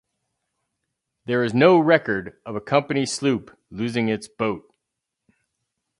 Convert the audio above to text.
There is no record of a Company sloop losing its boat.